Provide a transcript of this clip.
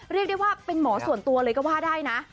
เรียกได้ว่าเป็นหมอส่วนตัวเลยก็ว่าได้นะ